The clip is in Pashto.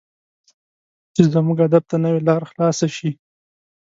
چې زموږ ادب ته نوې لار خلاصه شي.